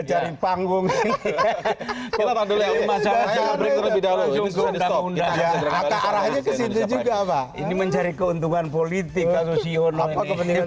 apa keuntungan politik kita pak